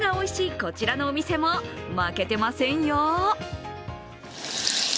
こちらのお店も負けてませんよ。